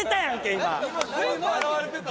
今全部現れてたな。